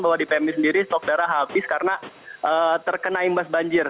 bahwa di pmi sendiri stok darah habis karena terkena imbas banjir